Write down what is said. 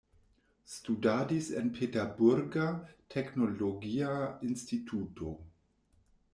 Studadis en Peterburga teknologia instituto.